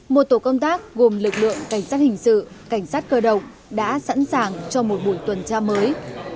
một tổ công tác gồm lực lượng cảnh sát hình sự cảnh sát cơ động đã sẵn sàng cho một buổi tuần tra mới